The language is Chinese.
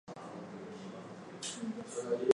作为温泉地则是起于大正时代的开凿。